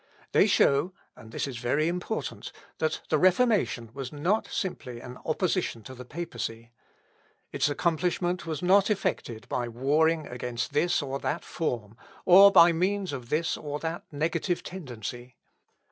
They show, and this is very important, that the Reformation was not simply an opposition to the papacy. Its accomplishment was not effected by warring against this or that form, or by means of this or that negative tendency.